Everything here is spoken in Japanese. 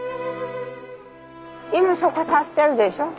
今そこ建ってるでしょう。